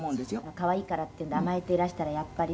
「可愛いからっていうので甘えていらしたらやっぱりね」